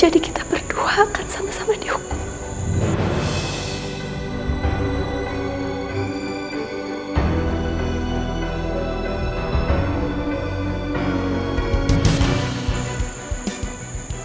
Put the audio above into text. jadi kita berdua akan sama sama dihukum